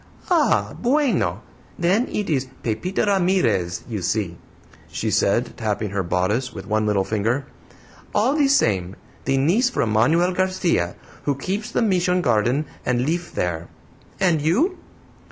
"Ah, BUENO! Then it is Pepita Ramirez, you see," she said, tapping her bodice with one little finger, "all the same; the niece from Manuel Garcia, who keeps the Mission garden and lif there. And you?"